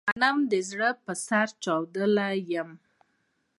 لکه غنم د زړه په سر چاودلی يمه